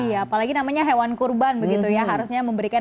iya apalagi namanya hewan kurban begitu ya harusnya memberikan